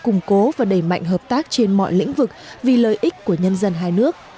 củng cố và đẩy mạnh hợp tác trên mọi lĩnh vực vì lợi ích của nhân dân hai nước